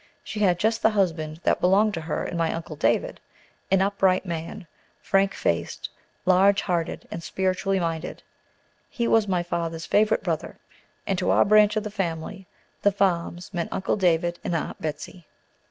She had just the husband that belonged to her in my Uncle David, an upright man, frank faced, large hearted, and spiritually minded. He was my father's favorite brother, and to our branch of the family "The Farms" meant "Uncle David and Aunt Betsey."